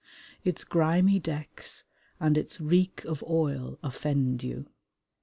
Its grimy decks and its reek of oil offend you.